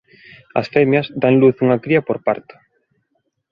A femias dan a luz unha cría por parto.